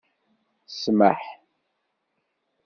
Smaḥ...